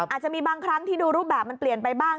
อาจจะมีบางครั้งที่ดูรูปแบบมันเปลี่ยนไปบ้าง